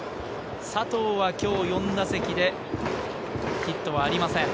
佐藤は今日４打席でヒットはありません。